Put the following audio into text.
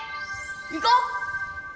行こう！